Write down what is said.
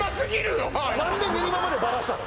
何で「練馬」までバラしたの？